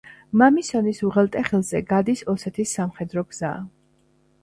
მამისონის უღელტეხილზე გადის ოსეთის სამხედრო გზა.